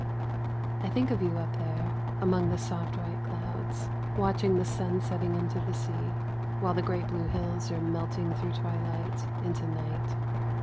"I think of you up there, among the soft white clouds, watching the sun setting into the sea, while the great blue hills are melting through twilight into night.